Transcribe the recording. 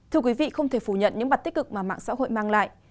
thưa quý vị không thể phủ nhận những mặt tích cực mà mạng xã hội mang lại